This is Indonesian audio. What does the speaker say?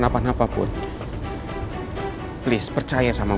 ni kalo dia harus ultra dayaju tol